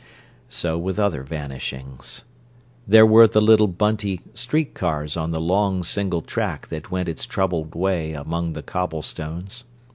So with other vanishings. There were the little bunty street cars on the long, single track that went its troubled way among the cobblestones.